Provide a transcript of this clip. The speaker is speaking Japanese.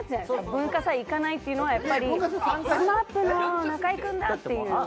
文化祭行かないっていうのはやっぱりＳＭＡＰの中居くんだっていう？